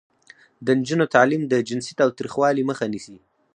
د نجونو تعلیم د جنسي تاوتریخوالي مخه نیسي.